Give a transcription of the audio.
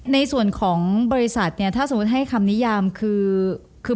ในส่วนของบริษัทถ้าสมมุติให้คำนิยามคือ